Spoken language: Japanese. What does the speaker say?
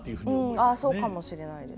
ああそうかもしれないです。